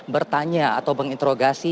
bertanya atau menginterogasi